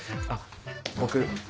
あっ僕